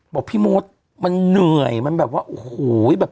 บอกพี่มดมันเหนื่อยมันแบบว่าโอ้โหแบบ